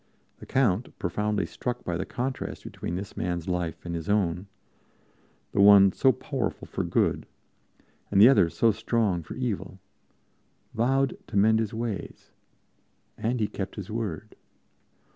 The Count, profoundly struck by the contrast between this man's life and his own the one so powerful for good, and the other so strong for evil vowed to mend his ways. And he kept his word.